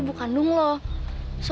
bukit aku kan